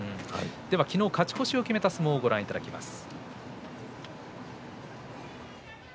昨日、勝ち越しを決めた相撲をご覧いただきます。